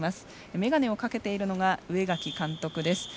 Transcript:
眼鏡をかけているのが上垣監督です。